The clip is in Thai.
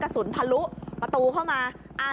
กระสุนพลุปัตูเข้ามา